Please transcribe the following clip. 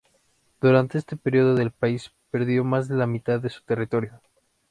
Durante este período el país perdió más de la mitad de su territorio.